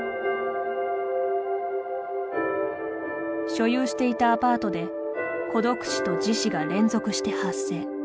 所有していたアパートで孤独死と自死が連続して発生。